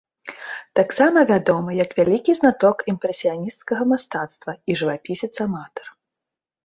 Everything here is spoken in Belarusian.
Таксама вядомы як вялікі знаток імпрэсіянісцкага мастацтва і жывапісец-аматар.